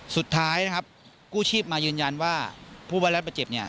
สุดท้ายนะครับกู้ชีพมายืนยันว่าผู้ว่ารับประเจ็บเนี่ย